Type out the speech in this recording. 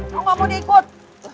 lo gak mau diikut